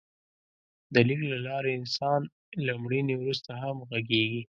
د لیک له لارې انسان له مړینې وروسته هم غږېږي.